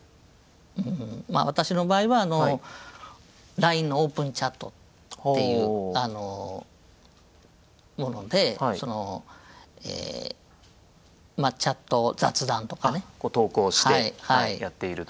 私の場合はＬＩＮＥのオープンチャットっていうものでそのチャット雑談とかね。投稿してやっていると。